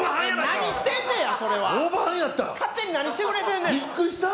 何をしてんねや。